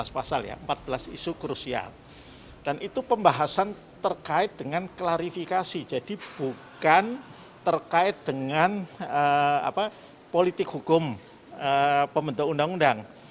empat belas pasal ya empat belas isu krusial dan itu pembahasan terkait dengan klarifikasi jadi bukan terkait dengan politik hukum pembentuk undang undang